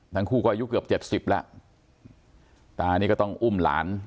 ทั้งคู่ก็อายุเกือบเจ็ดสิบแล้วตานี่ก็ต้องอุ้มหลาน